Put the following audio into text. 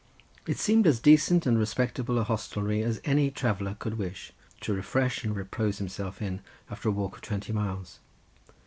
It seemed as decent and respectable a hostelry as any traveller could wish to refresh and repose himself in, after a walk of twenty miles.